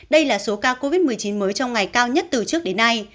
đây là số ca covid một mươi chín mới trong ngày cao nhất từ trước đến nay